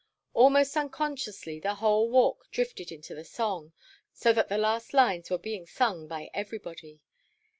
Almost unconsciously the whole Walk drifted into the song, so that the last lines were being sung by everybody.